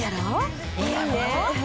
いいね。